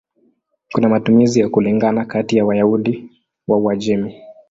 Kuna matumizi ya kulingana kati ya Wayahudi wa Uajemi.